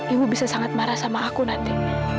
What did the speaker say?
ibu bisa sangat marah sama aku nanti